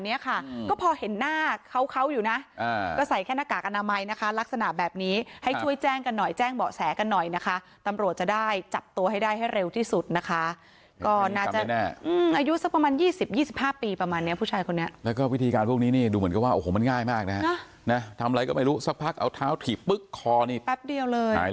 ล็อกคอเขาเอาไว้เลย